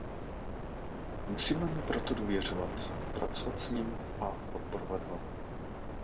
Musíme mu proto důvěřovat, pracovat s ním a podporovat ho.